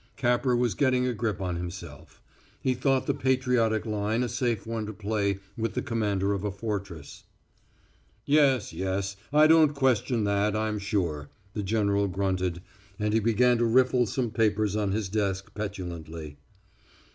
Capper was getting a grip on himself; he thought the patriotic line a safe one to play with the commander of a fortress. "Yes yes. I don't question that, I'm sure," the general grunted, and he began to riffle some papers on his desk petulantly.